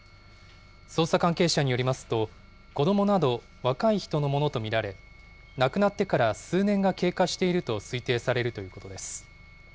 捜査関係者によりますと、子どもなど若い人のものと見られ、亡くなってから数年が経過していると推定されるということです。